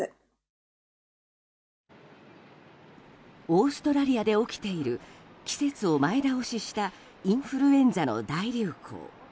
オーストラリアで起きている季節を前倒ししたインフルエンザの大流行。